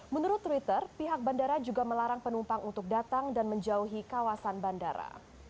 menurut twitter pihak bandara juga melarang penumpang untuk datang dan menjauhi kawasan bandara